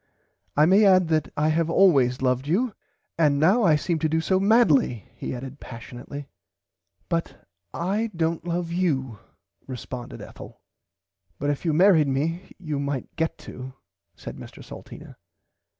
I may add that I have always loved you and now I seem to do so madly he added passionately. [Pg 85] But I dont love you responded Ethel. But if you married me you might get to said Mr Salteena.